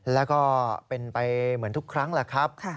แล้วก็เป็นไปเหมือนทุกครั้งแหละครับ